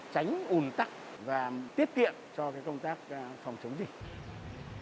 tránh ủn tắc và tiết kiệm cho công tác phòng chống dịch